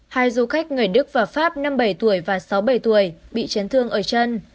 hai du khách người đức và pháp năm bảy tuổi và sáu bảy tuổi bị chấn thương ở chân